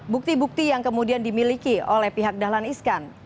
bukti bukti yang kemudian dimiliki oleh pihak dahlan iskan